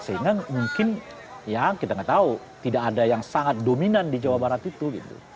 sehingga mungkin ya kita nggak tahu tidak ada yang sangat dominan di jawa barat itu